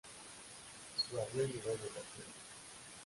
Su avión llegó de tercero.